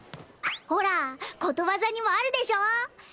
ほらことわざにもあるでしょ。